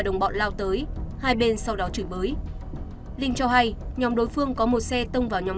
đồng bọn lao tới hai bên sau đó chửi bới linh cho hay nhóm đối phương có một xe tông vào nhóm